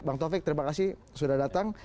bang taufik terima kasih sudah datang